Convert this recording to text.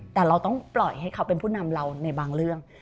แต่เราต้องปล่อยให้เขาเป็นผู้นำเราในบางเรื่อง